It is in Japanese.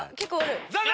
残念！